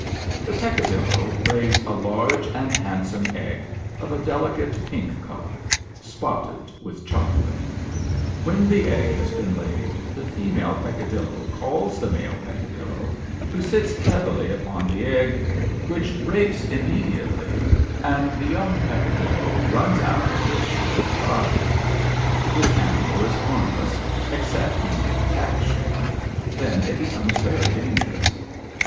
" The Peccadillo lays a large and handsome egg, of a delicate pink color, spotted with chocolate. When the egg has been laid, the female Peccadillo calls the male Peccadillo, who sits heavily upon the egg, which breaks immediately, and the young Pec IO THE NEW SWISS FAMILY ROBINSON. EFFECT OF THE MINT JULEP BED. cadillo runs out with shrill cries. This animal is harm less, except when it attacks you. Then it becomes very dangerous.